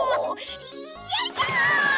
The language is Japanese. よいしょ！